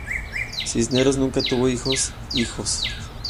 Cisneros nunca tuvo hijos hijos.